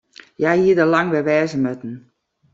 Hja hie der al lang wer wêze moatten.